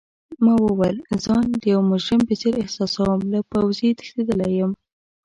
ما وویل: ځان د یو مجرم په څېر احساسوم، له پوځه تښتیدلی یم.